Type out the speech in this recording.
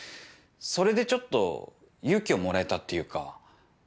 それでちょっと勇気をもらえたっていうか。